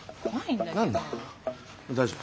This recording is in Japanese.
大丈夫。